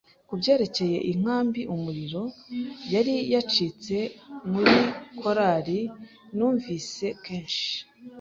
kubyerekeye inkambi-umuriro yari yacitse muri korari numvise kenshi: